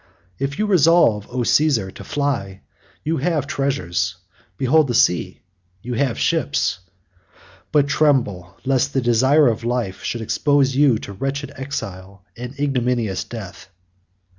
If you resolve, O Caesar! to fly, you have treasures; behold the sea, you have ships; but tremble lest the desire of life should expose you to wretched exile and ignominious death.